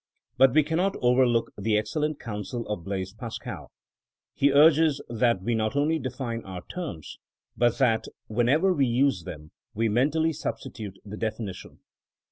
But we cannot overlook the excel lent counsel of Blaise Pascal. He urges that we not only define our terms, but that whenever THINEINO AS A SCIENCE 55 w e use them we ment ally substitute the defini tion.